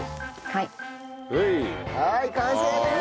はい完成です！